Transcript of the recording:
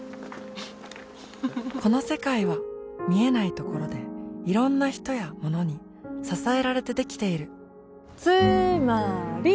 この世界は見えないところでいろんな人やものに支えられてできているつーまーり！